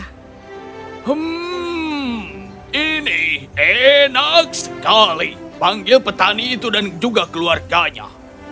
hmm ini enak sekali panggil petani itu dan juga keluarganya